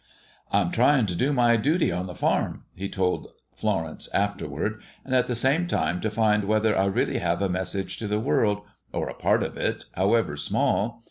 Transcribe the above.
"I'm trying to do my duty on the farm," he told Florence afterward, "and at the same time to find whether I really have a message to the world, or a part of it, however small.